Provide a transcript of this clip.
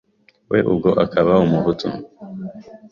we ubwo akaba Umuhutu